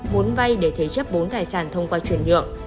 muốn vay để thế chấp bốn tài sản thông qua chuyển nhượng